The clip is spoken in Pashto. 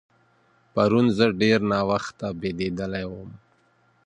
پرون زه ډېر ناوخته بېدېدلی وم.